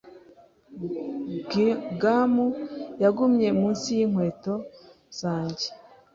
Gum yagumye munsi yinkweto zanjye.